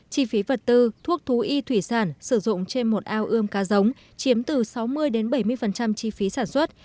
chi phí vật tư thuốc thú y thủy sản sử dụng trên một ao ươm cá giống chiếm từ sáu mươi bảy mươi chi phí sản xuất